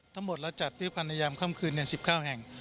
ทั้งหมดแล้วจัดวิพันธ์นายามค่ำคืน๑๙แห่ง